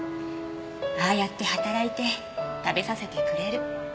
ああやって働いて食べさせてくれる。